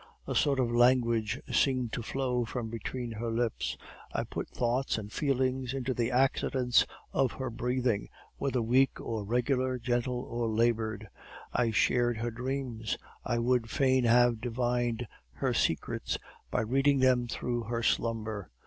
A sort of language seemed to flow from between her lips. I put thoughts and feelings into the accidents of her breathing, whether weak or regular, gentle, or labored. I shared her dreams; I would fain have divined her secrets by reading them through her slumber.